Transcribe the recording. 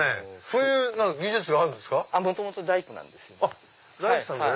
そういう技術があるんですか？